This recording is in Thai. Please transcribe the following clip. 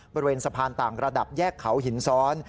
บริเวณสะพานต่างระดับแยกเขาหินซ้อน